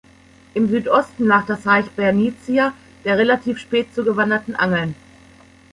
Im Südosten lag das Reich Bernicia der relativ spät zugewanderten Angeln.